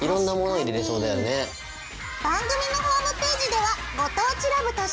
番組のホームページでは「ご当地ＬＯＶＥ」として。